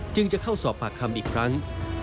จึงจะเข้าสอบปากคำอีกครั้ง